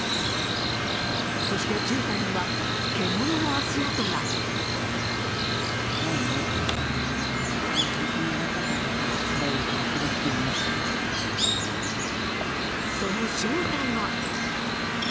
そして、じゅうたんには獣の足跡がその正体は？